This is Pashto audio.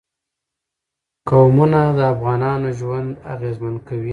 قومونه د افغانانو ژوند اغېزمن کوي.